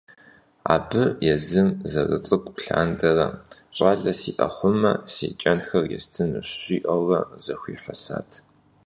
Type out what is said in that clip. Абы езым зэрыцӏыкӏу лъандэрэ, щӀалэ сиӀэ хъумэ си кӀэнхэр естынущ жиӀэурэ зэхуихьэсат.